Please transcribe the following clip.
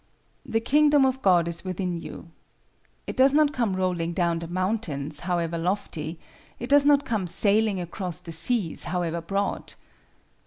"The Kingdom of God is within you." It does not come rolling down the mountains, however lofty; it does not come sailing across the seas, however broad.